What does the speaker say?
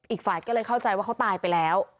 อีกฝ่ายก็เลยเข้าใจว่าเขาตายไปแล้ว